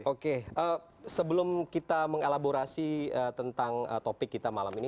oke sebelum kita mengelaborasi tentang topik kita malam ini